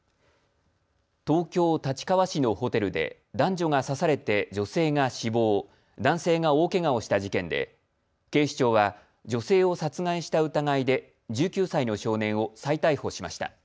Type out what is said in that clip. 東京立川市のホテルで男女が刺されて女性が死亡、男性が大けがをした事件で警視庁は女性を殺害した疑いで１９歳の少年を再逮捕しました。